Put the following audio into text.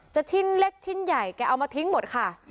ชิ้นเล็กชิ้นใหญ่แกเอามาทิ้งหมดค่ะ